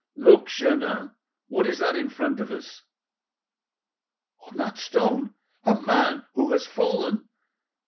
"Look, Jeannin! what is that in front of us?" "On that stone? A man who has fallen!"